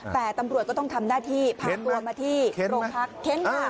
แต่ตำรวจก็ต้องทำหน้าที่พาตัวมาที่โรงพักเค้นค่ะ